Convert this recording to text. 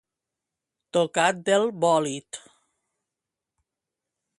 Tocat del bòlid.